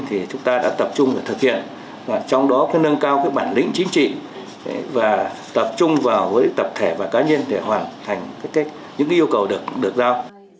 thì chúng ta đã tập trung để thực hiện trong đó nâng cao bản lĩnh chính trị và tập trung vào với tập thể và cá nhân để hoàn thành những yêu cầu được giao